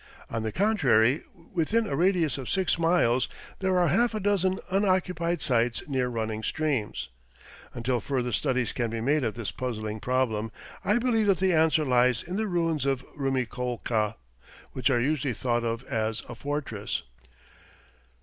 On the contrary, within a radius of six miles there are half a dozen unoccupied sites near running streams. Until further studies can be made of this puzzling problem I believe that the answer lies in the ruins of Rumiccolca, which are usually thought of as a fortress.